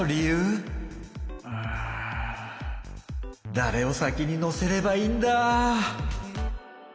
だれを先に乗せればいいんだ？